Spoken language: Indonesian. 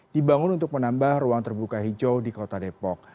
dibangun untuk menambah ruang terbuka hijau di kota depok